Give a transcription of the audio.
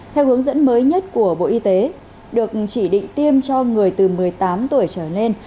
theo hướng dẫn mới nhất của bộ y tế được chỉ định tiêm cho người từ một mươi tám tuổi trở lên